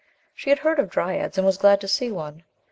She had heard of dryads and was glad to see one.